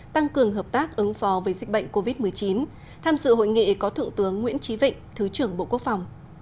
tăng cường hợp tác ứng phó với dịch bệnh covid một mươi chín tham dự hội nghị có thượng tướng nguyễn trí vịnh thứ trưởng bộ quốc phòng